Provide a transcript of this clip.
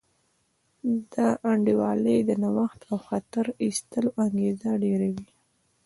ناانډولي د نوښت او خطر اخیستلو انګېزه ډېروي.